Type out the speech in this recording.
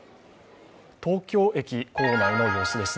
東京駅構内の様子です。